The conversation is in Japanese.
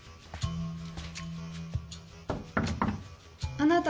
あなた？